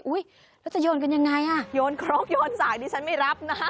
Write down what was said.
แล้วจะโยนกันยังไงอ่ะโยนครกโยนสายดิฉันไม่รับนะฮะ